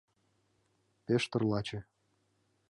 Пештыр — лаче.